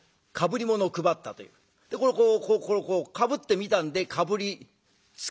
これをこうこうこうかぶって見たんでかぶり付き。